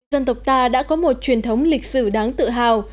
dân tộc ta đã có một truyền thống lịch sử đáng tự hào